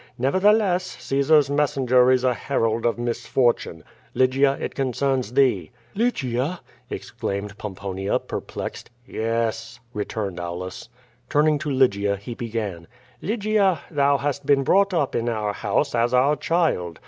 "Nevertheless, Caesar's messenger is a herald of misfortune. Lygia, it concerns thee.'' "Lygia?" exclaimed Pomi)onia, perplexed. "Yes," returned Aulus. Turning to Lygia, he began: QUO VAnif?. 37 *^Lygia, thou hast been brought up in our house, as our child.